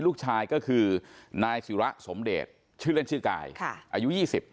ลูกชายก็คือนายศิระสมเดชชื่อเล่นชื่อกายค่ะอายุ๒๐